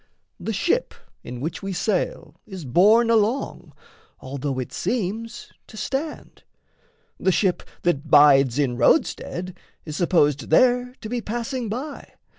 The ship in which we sail Is borne along, although it seems to stand; The ship that bides in roadstead is supposed There to be passing by.